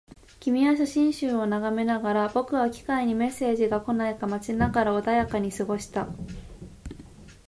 君は写真集を眺めながら、僕は機械にメッセージが来ないか待ちながら穏やかに過ごした